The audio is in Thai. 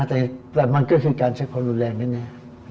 แต่มันก็คือการใช้ความรุนแรงแน่